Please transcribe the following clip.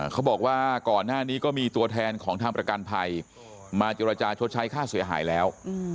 เขาบอกว่าก่อนหน้านี้ก็มีตัวแทนของทางประกันภัยมาเจรจาชดใช้ค่าเสียหายแล้ว